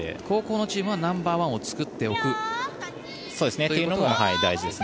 後攻のチームはナンバーワンを作っていくというのが大事。